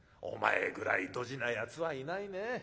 お前ぐらいドジなやつはいないねえ。